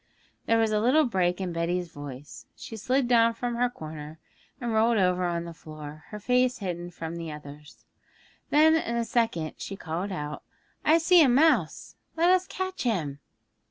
There was a little break in Betty's voice; she slid down from her corner, and rolled over on the floor, her face hidden from the others. Then in a second she called out, 'I see a mouse! Let us catch him!'